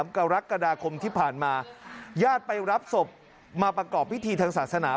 กรกฎาคมที่ผ่านมาญาติไปรับศพมาประกอบพิธีทางศาสนา